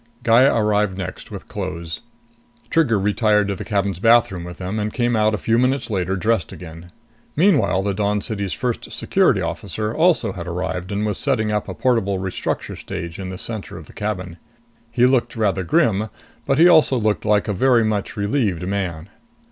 Gaya arrived next, with clothes. Trigger retired to the cabin's bathroom with them and came out a few minutes later, dressed again. Meanwhile the Dawn City's First Security Officer also had arrived and was setting up a portable restructure stage in the center of the cabin. He looked rather grim, but he also looked like a very much relieved man.